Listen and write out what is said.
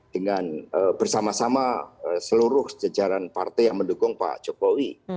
dengan bersama sama seluruh jajaran partai yang mendukung pak jokowi